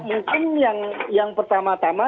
ya mungkin yang yang pertama tama